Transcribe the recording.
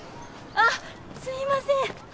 あっすいません！